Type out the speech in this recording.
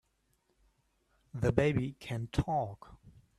The baby can TALK!